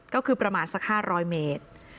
ก็คือประมาณสัก๕๐๐เมตร